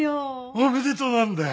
おめでとうなんだよ。